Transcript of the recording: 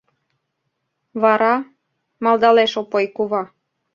— Вара? — малдалеш Опой кува.